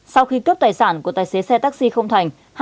sau khi cướp tài sản của tài xế xe taxi không thành